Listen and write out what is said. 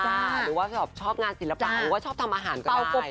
หรือว่าชอบงานศิลปะหรือว่าชอบทำอาหารก่อน